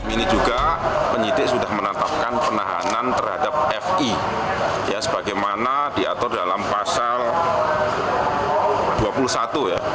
ini juga penyidik sudah menetapkan penahanan terhadap fi ya sebagaimana diatur dalam pasal dua puluh satu ya